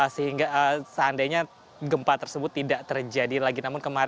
sehingga seandainya gempa tersebut tidak terjadi lagi